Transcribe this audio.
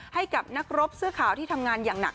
ให้กับนักรบเสื้อขาวที่ทำงานอย่างหนัก